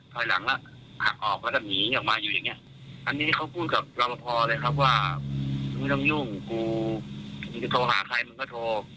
ถอยหลังแล้วหักออกแล้วก็หนีออกมาอยู่อย่างเงี้ยอันนี้เขาพูดกับรอปภเลยครับว่ามึงไม่ต้องยุ่งกูจะโทรหาใครมึงก็โทร